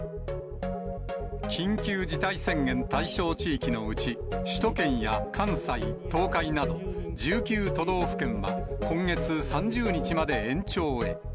緊急事態宣言対象地域のうち、首都圏や関西、東海など、１９都道府県は、今月３０日まで延長へ。